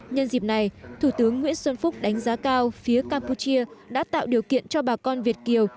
nhân dịp này thủ tướng nguyễn xuân phúc đánh giá cao phía campuchia đã tạo điều kiện cho bà con việt kiều